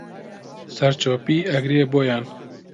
سەرچۆپی ئەگرێ بۆیان